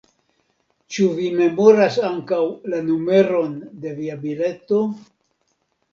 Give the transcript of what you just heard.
Ĉu vi memoras ankaŭ la numeron de via bileto?